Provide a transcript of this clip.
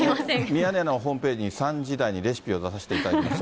ミヤネ屋のホームページに、３時台にレシピを出させていただきます。